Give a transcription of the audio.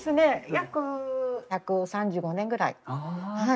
約１３５年ぐらい。